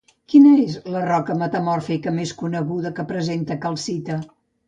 Quina és la roca metamòrfica més coneguda que presenta calcita?